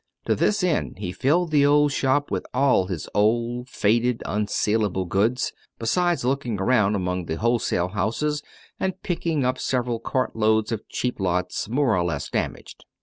To this end he filled the old shop with all his old, faded, unsalable goods, besides looking around among the wholesale houses and picking up several cart loads of cheap lots, more or less damaged.